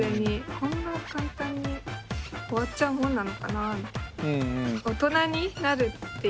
こんな簡単に終わっちゃうもんなのかなみたいな。